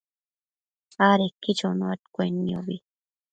adequi chonuaccuenniobi